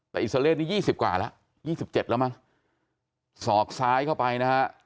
แต่อิสโลเลสนี้ยี่สิบกว่าแล้วยี่สิบเจ็ดแล้วมั้งศอกซ้ายเข้าไปนะฮะ